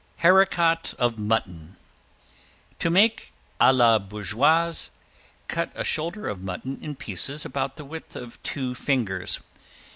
~HARICOT OF MUTTON~ To make a la bourgeoise, cut a shoulder of mutton in pieces about the width of two fingers.